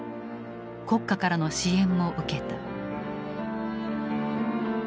国家からの支援も受けた。